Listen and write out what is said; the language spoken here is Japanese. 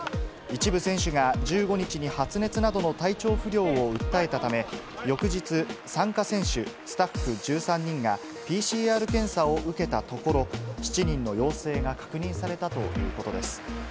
一部選手が、１５日に発熱などの体調不良を訴えたため、翌日、参加選手、スタッフ１３人がＰＣＲ検査を受けたところ、７人の陽性が確認されたということです。